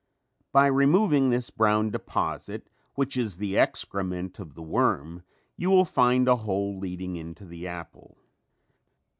By removing this brown deposit which is the excrement of the worm, you will find a hole leading into the apple.